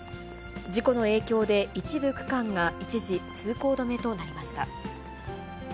事故の影響で一部区間が一時通行止めとなりました。